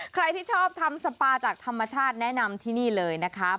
ใครที่ชอบทำสปาจากธรรมชาติแนะนำที่นี่เลยนะคะ